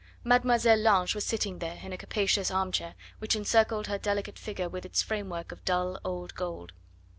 Mademoiselle Lange was sitting there, in a capacious armchair, which encircled her delicate figure with its frame work of dull old gold.